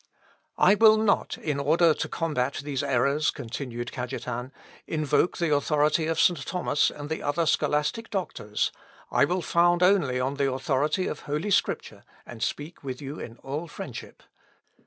"I will not, in order to combat these errors," continued Cajetan, "invoke the authority of St. Thomas and the other scholastic doctors; I will found only on the authority of Holy Scripture, and speak with you in all friendship."